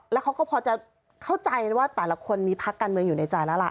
แล้วเขาก็พอจะเข้าใจว่าแต่ละคนมีพักการเมืองอยู่ในใจแล้วล่ะ